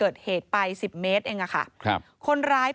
แล้วพี่ก็เอาสร้อยมาด้วย